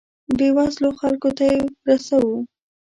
بیوزلو خلکو ته یې رسوو.